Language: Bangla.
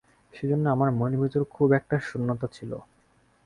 সেজন্যে আমার মনের ভিতরে খুব একটা শূন্যতা ছিল।